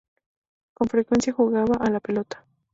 Con frecuencia jugaban a la pelota.